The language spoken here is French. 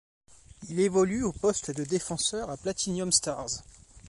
Il évolue au poste de défenseur à Platinum Stars.